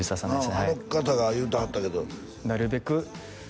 はいうんあの方が言うてはったけどなるべく